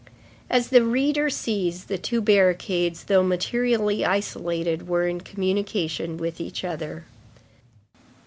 As the reader sees, the two barricades, though materially isolated, were in communication with each other.